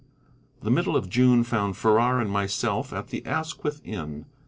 The middle of June found Farrar and myself at the Asquith Inn.